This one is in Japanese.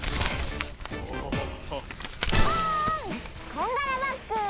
こんがらバッグ！